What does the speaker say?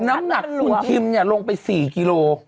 น้ำหนักเลยเขาลงไปสี่กิโล